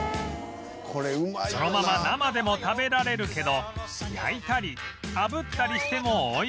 そのまま生でも食べられるけど焼いたりあぶったりしても美味しい